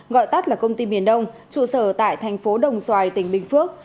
gọi tắt là công ty miền đông trụ sở tại thành phố đồng xoài tỉnh bình phước